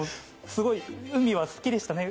すごい海は好きでしたね。